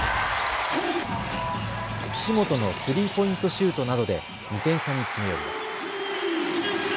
岸本のスリーポイントシュートなどで２点差に詰め寄ります。